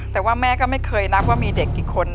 แต่ว่าแม่ก็ไม่เคยนับว่ามีเด็กกี่คน